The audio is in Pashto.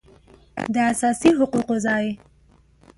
داساسي حقوقو ځای